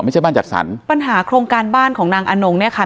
ไม่ใช่บ้านจัดสรรปัญหาโครงการบ้านของนางอนงเนี่ยค่ะ